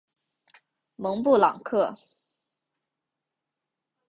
蒙布朗克。